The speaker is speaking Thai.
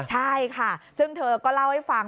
ใช่ค่ะซึ่งเธอก็เล่าให้ฟัง